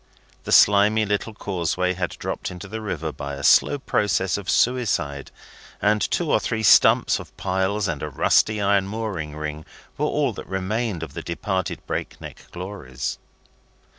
The slimy little causeway had dropped into the river by a slow process of suicide, and two or three stumps of piles and a rusty iron mooring ring were all that remained of the departed Break Neck glories.